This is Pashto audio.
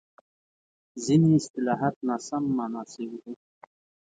ځینې اصطلاحات ناسم مانا شوي دي.